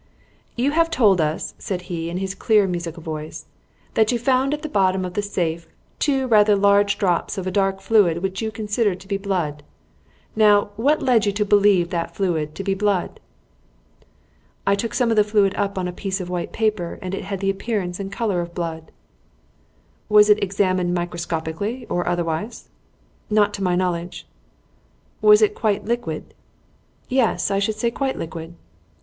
"You have told us," said he, in his clear musical voice, "that you found at the bottom of the safe two rather large drops of a dark fluid which you considered to be blood. Now, what led you to believe that fluid to be blood?" "I took some of the fluid up on a piece of white paper, and it had the appearance and colour of blood." "Was it examined microscopically or otherwise?" "Not to my knowledge." "Was it quite liquid?" "Yes, I should say quite liquid."